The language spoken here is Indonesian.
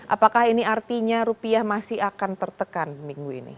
apakah ini artinya rupiah masih akan tertekan minggu ini